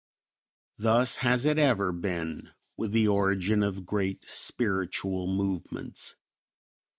Thus has it ever been with the origin of great spiritual movements.